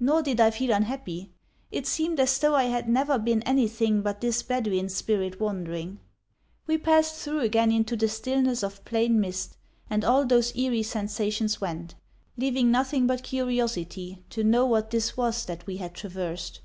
Nor did I feel unhappy; it seemed as though I had never been anything but this Bedouin spirit wandering. We passed through again into the stillness of plain mist, and all those eerie sensations went, leaving nothing but curiosity to know what this was that we had traversed.